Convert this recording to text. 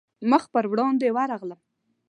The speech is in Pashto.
مخ پر وړاندې ورغلم.